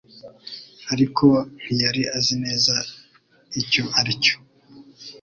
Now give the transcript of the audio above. ariko ntiyari azi neza icyo aricyo